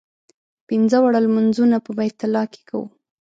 پنځه واړه لمونځونه په بیت الله کې کوو.